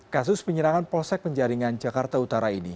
kasus penyerangan polsek penjaringan jakarta utara ini